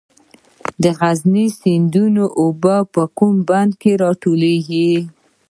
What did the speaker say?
د غزني سیند اوبه په کوم بند کې راټولیږي؟